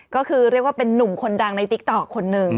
ก็คือเรียกว่าเป็นนุ่มคนดังในติ๊กต๊อกคนหนึ่ง